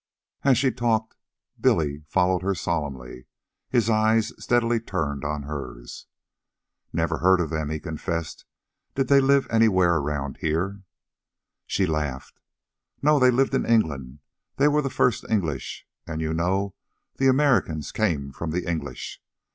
As she talked, Billy followed her solemnly, his eyes steadily turned on hers. "Never heard of them," he confessed. "Did they live anywhere around here?" She laughed. "No. They lived in England. They were the first English, and you know the Americans came from the English.